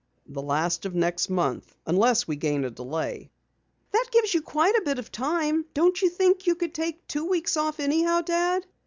"The last of next month, unless we gain a delay." "That gives you quite a bit of time. Don't you think you could take two weeks off anyhow, Dad?